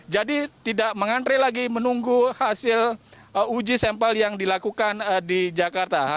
jadi tidak mengantre lagi menunggu hasil uji sampel yang dilakukan di jakarta